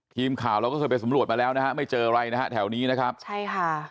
ทีมข่าวเราก็เคยไปสำรวจมาแล้วนะฮะไม่เจออะไรนะฮะแถวนี้นะครับใช่ค่ะ